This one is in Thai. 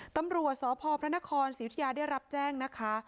ตำรวจสพพระนครศรีอุทยาได้รับแจ้งนะคะ